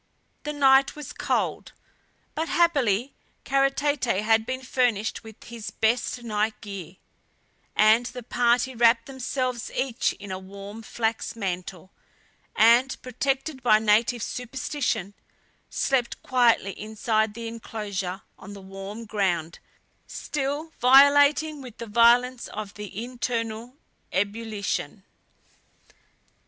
The night was cold; but happily Kara Tete had been furnished with his best night gear, and the party wrapped themselves each in a warm flax mantle, and protected by native superstition, slept quietly inside the inclosure, on the warm ground, still violating with the violence of the internal ebullition.